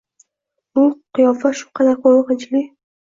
Bu qiyofa shu qadar qo’rqinchli.